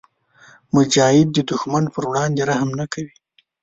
مجاهد د دښمن پر وړاندې رحم نه کوي.